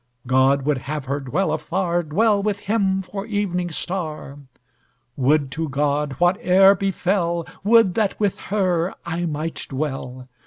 God would have her dwell afar, Dwell with him for evening star. Would to God, whate'er befell, Would that with her I might dwell.